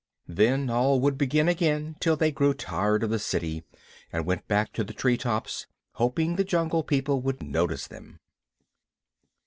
Then all would begin again till they grew tired of the city and went back to the tree tops, hoping the Jungle People would notice them.